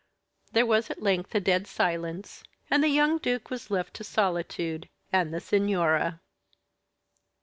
There was at length a dead silence, and the young duke was left to solitude and the signora!